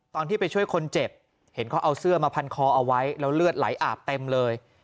ตอนที่ไปช่วยคนเจ็บเห็นเขาเอาเสื้อมาพันคอเอาไว้แล้วเลือดไหลอาบเต็มเลย